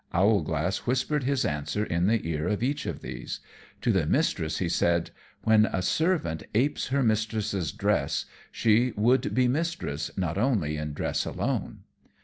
Owlglass whispered his answer in the ear of each of these. To the mistress he said, "When a servant apes her mistress's dress, she would be mistress not only in dress alone."